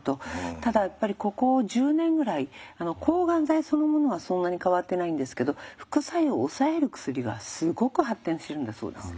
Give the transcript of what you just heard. ただやっぱりここ１０年ぐらい抗がん剤そのものはそんなに変わってないんですけど副作用を抑える薬がすごく発展してるんだそうです。